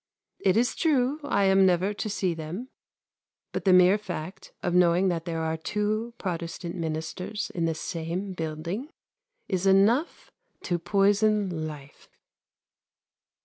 It is true I am never to see them, but the mere fact of knowing that there are two Protestant ministers in the same building is enough to poison life!